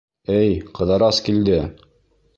— Эй, Ҡыҙырас килде!